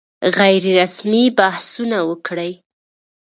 غیر رسمي بحثونه وکړي.